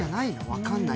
分かんない。